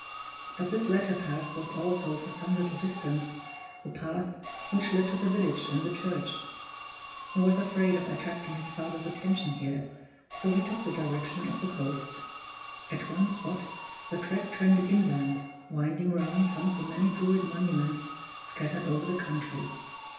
But this latter path was also, for some little distance, the path which led to the village and the church. He was afraid of attracting his father's attention here, so he took the direction of the coast. At one spot the track trended inland, winding round some of the many Druid monuments scattered over the country.